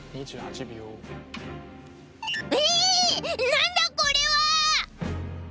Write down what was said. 何だこれは！